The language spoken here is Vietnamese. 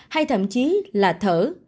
chậm chí là thở